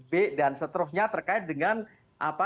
b dan seterusnya terkait dengan apa